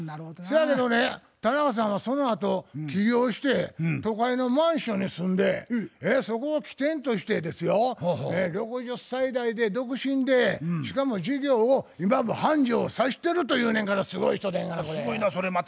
そやけどね田中さんはそのあと起業して都会のマンションに住んでそこを起点としてですよ６０歳代で独身でしかも事業を今も繁盛さしてるというねんからすごい人でんがなこれ。